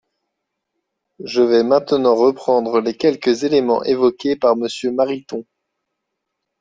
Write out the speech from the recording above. Je vais maintenant reprendre les quelques éléments évoqués par Monsieur Mariton.